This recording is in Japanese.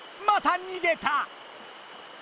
またにげた！